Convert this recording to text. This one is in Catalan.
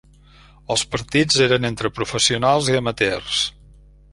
Els partits eren entre professionals i amateurs.